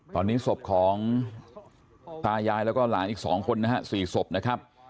ตอนนี้ศพของตายายแล้วก็หลานอีก๒คนนะฮะ๔ศพนะครับ